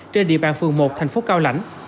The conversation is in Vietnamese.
trên địa bàn phường một tp cao lãnh